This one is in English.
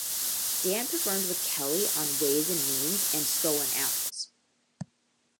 Dan performed with Kelly on "Ways and Means" and "Stolen Apples".